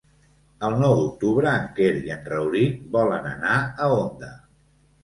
El nou d'octubre en Quer i en Rauric volen anar a Onda.